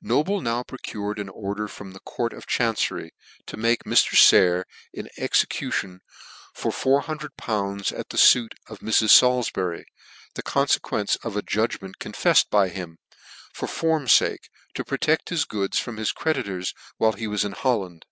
Noble now procured an order from the court of chancery to take Mr. Sayer in execution for 400! at the fuit of Mrs. Salifbury, the confe quence of a judgment confeffed by him, for form's fake, to protect his goods from his cre ditors while he was in Holland.